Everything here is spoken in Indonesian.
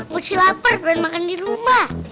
mochi lapar kan makan di rumah